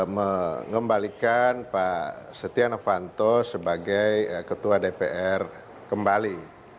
mengembalikan pak stiano vanto sebagai ketua dpr kembali